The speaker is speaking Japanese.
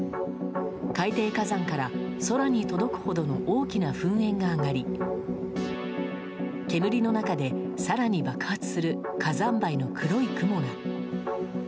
海底火山から空に届くほどの大きな噴煙が上がり煙の中で更に爆発する火山灰の黒い雲が。